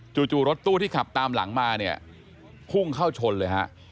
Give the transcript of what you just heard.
จู่รถตู้ที่ขับตามหลังมาเนี่ยพุ่งเข้าชนเลยฮะ